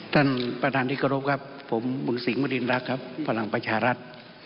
ท่านประธานที่กระโลกครับผมบุญสิงค์มารินรักษ์ครับฝรั่งประชารัฐ